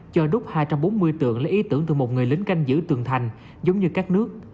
cho đúc hai trăm bốn mươi tượng lấy ý tưởng từ một người lính canh giữ tường thành giống như các nước